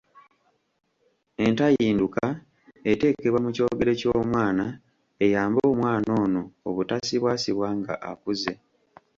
Entayinduka eteekebwa mu Kyogero ky’omwana eyambe omwana ono obutasibwasibwa nga akuze.